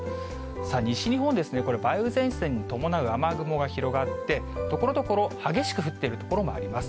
西日本ですね、これ、梅雨前線に伴う雨雲が広がって、ところどころ激しく降っている所もあります。